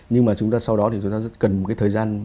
nhưng mà chúng ta sau đó thì chúng ta rất cần một cái thời gian